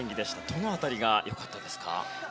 どの辺りが良かったですか？